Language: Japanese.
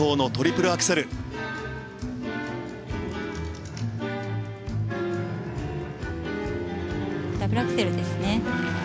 ダブルアクセルですね。